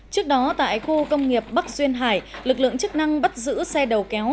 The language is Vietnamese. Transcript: trước đó tại khu công nghiệp bắc duyên hải lực lượng chức năng bắt giữ xe đầu kéo